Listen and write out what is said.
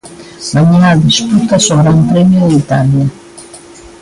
Mañá dispútase o Gran Premio de Italia.